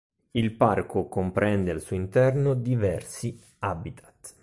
Il parco comprende al suo interno diversi habitat.